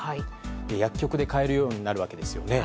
薬局で買えるようになるわけですよね。